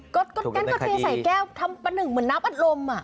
ก็กั้นกดเทใส่แก้วทำประหนึ่งเหมือนน้ำอัดลม